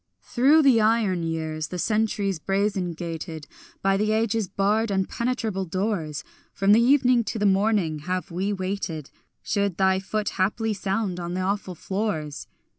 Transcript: Through the iron years, the centuries brazen gated, By the ages' barred impenetrable doors, From the evening to the morning have we waited, Should thy foot haply sound on the awful floors.